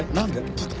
ちょっと。